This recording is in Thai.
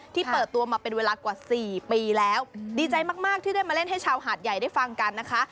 เปิดตัวมาเป็นเวลากว่าสี่ปีแล้วดีใจมากที่ได้มาเล่นให้ชาวหาดใหญ่ได้ฟังกันนะคะ